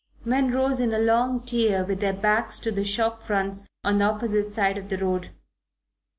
Men rose in a long tier with their backs to the shop fronts on the opposite side of the road.